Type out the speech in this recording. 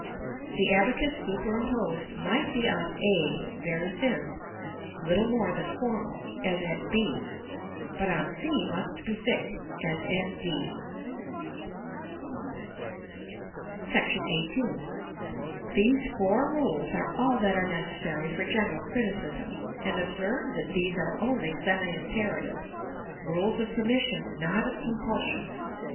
The abacus superimposed might be on a very thin, little more than formal, as at b; but on c must be thick, as at d. [Illustration: Fig. XXVI.] § XVIII. These four rules are all that are necessary for general criticism; and observe that these are only semi imperative, rules of permission, not of compulsion.